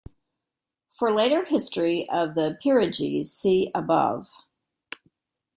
For later history of the peerages, see above.